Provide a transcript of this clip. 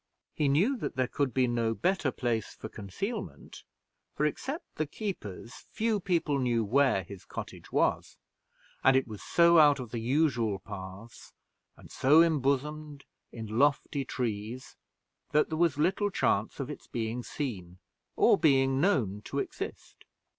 He knew that there could be no better place for concealment; for, except the keepers, few people knew where his cottage was; and it was so out of the usual paths, and so imbosomed in lofty trees, that there was little chance of its being seen, or being known to exist.